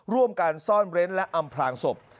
ร่วมกันซ่อนเร้นและอำพลางศพ